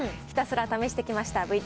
ひたすら試してきました。